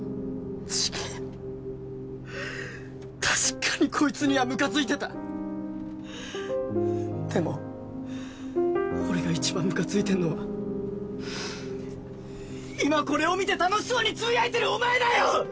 違えよ確かにこいつにはむかついてたでも俺が一番むかついてんのは今これを見て楽しそうにつぶやいてるお前だよ！